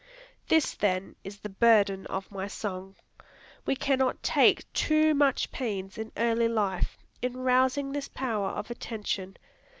This, then, is the burden of my song. We cannot take too much pains in early life in rousing this power of attention.